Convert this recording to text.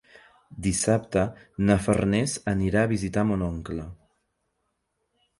Dissabte na Farners anirà a visitar mon oncle.